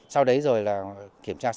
sau đấy rồi là kiểm tra sản xuất